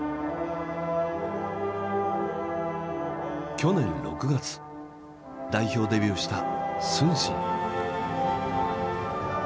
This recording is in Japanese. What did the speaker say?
去年６月代表デビューした承信。